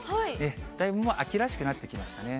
だいぶもう、秋らしくなってきましたね。